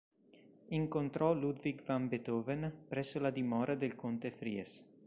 Incontrò Ludwig van Beethoven presso la dimora del Conte Fries.